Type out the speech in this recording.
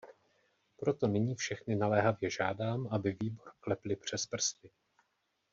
Proto nyní všechny naléhavě žádám, aby výbor klepli přes prsty.